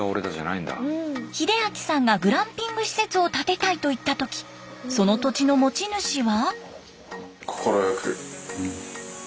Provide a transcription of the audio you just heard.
秀明さんがグランピング施設を建てたいと言った時その土地の持ち主は。